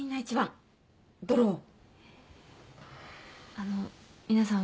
あの皆さん